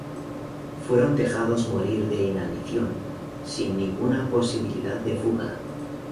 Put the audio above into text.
Fueron dejados morir de inanición, sin ninguna posibilidad de fuga.